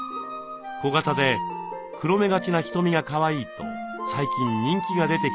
小型で黒目がちな瞳がかわいいと最近人気が出てきているそうです。